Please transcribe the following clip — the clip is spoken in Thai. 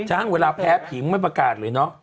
ฉะนั้นเวลาแพ้ผิงไม่ประกาศเลย